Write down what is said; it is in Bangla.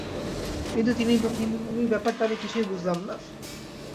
কিন্তু তিমির ব্যাপারটা আমি কিছুই বুঝলাম না।